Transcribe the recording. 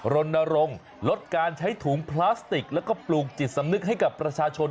รณรงค์ลดการใช้ถุงพลาสติกแล้วก็ปลูกจิตสำนึกให้กับประชาชน